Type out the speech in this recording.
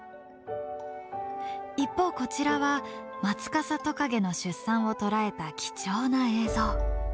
一方こちらはマツカサトカゲの出産を捉えた貴重な映像。